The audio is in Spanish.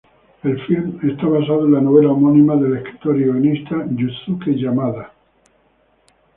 El filme está basado en la novela homónima del escritor y guionista Yusuke Yamada.